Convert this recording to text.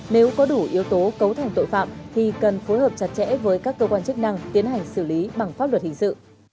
nếu có đủ yếu tố cấu thành tội phạm thì cần phối hợp chặt chẽ với các cơ quan chức năng tiến hành xử lý bằng pháp luật hình sự